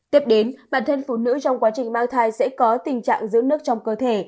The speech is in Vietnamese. tiếp đến bản thân phụ nữ trong quá trình mang thai sẽ có tình trạng giữ nước trong cơ thể